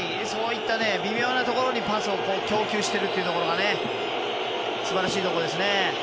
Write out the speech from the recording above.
いった微妙なところにパスを供給しているのが素晴らしいところですね。